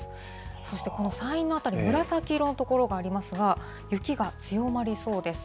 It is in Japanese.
そしてこの山陰の辺り、紫色の所がありますが、雪が強まりそうです。